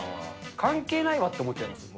関係ないわって思っちゃいます。